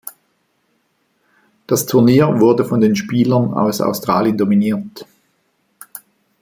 Das Turnier wurde von den Spielern aus Australien dominiert.